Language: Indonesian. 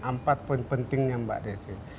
empat poin pentingnya mbak desi